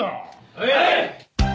はい！